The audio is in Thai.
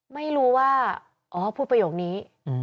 ไม่รู้ว่าอ๋อพูดประโยคนี้